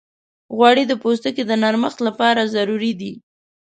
غوړې د پوستکي د نرمښت لپاره ضروري دي.